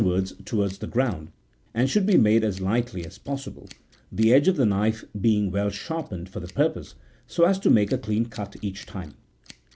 wards towards the ground, and should be made as lightly as possible, the edge of the knife being well sharpened for the purpose, so as to make a clean cut each time.